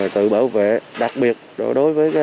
tự bảo vệ đặc biệt đối với